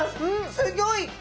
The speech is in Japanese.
すギョい！